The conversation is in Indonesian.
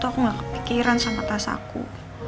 aku gak kepikiran sama tas aku